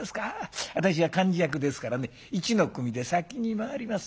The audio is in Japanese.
私が幹事役ですからね一の組で先に回ります。